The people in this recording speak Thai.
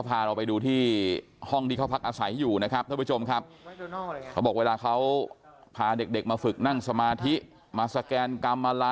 ใฟล์ไว้เมื่อแล้วครับ